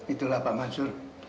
itulah pak mansur